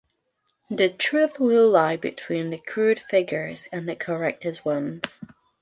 The truth will lie between the crude figures and the corrected ones.